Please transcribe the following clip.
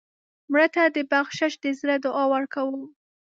مړه ته د بخشش د زړه دعا ورکوو